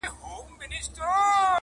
له رقیبه مي خنزیر جوړ کړ ته نه وې-